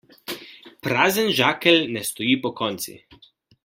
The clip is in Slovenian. Prazen žakelj ne stoji pokonci.